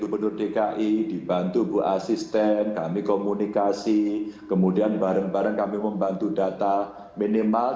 gubernur dki dibantu bu asisten kami komunikasi kemudian bareng bareng kami membantu data minimal